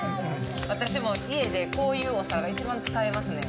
私も家でこういうお皿が一番使えますね。